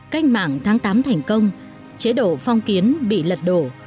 cách mạng tháng tám thành công chế độ phong kiến bị lật đổ